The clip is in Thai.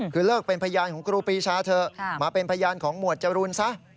คือเลิกเป็นพยานของครูปีชาเถอะมาเป็นพยานของหมวดจรูนซะ